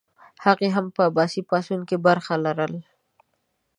هغه هم په عباسي پاڅون کې برخه لرله.